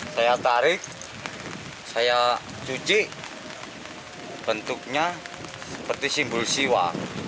saya tarik saya cuci bentuknya seperti simbol siwa